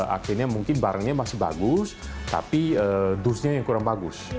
akhirnya mungkin barangnya masih bagus tapi dusnya yang kurang bagus